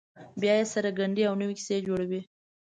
بیا یې سره ګنډي او نوې کیسې جوړوي.